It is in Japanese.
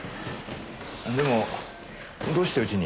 でもどうしてうちに？